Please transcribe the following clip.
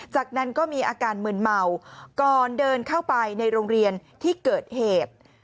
จากนั้นก็มีอาการมืนเมาก่อนเดินเข้าไปในโรงเรียนที่เกิดเหตุ